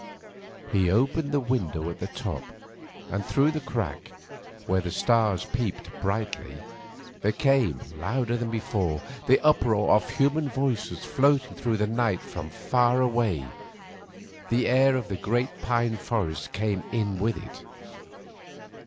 He opened the window at the top, and through the crack, where the stars peeped brightly, there came, louder than before, the uproar of human voices floating through the night from far away. The air of the great pine forests came in with it.